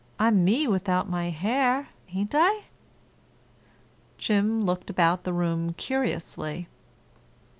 I'm me without my hair, ain't I?" Jim looked about the room curiously.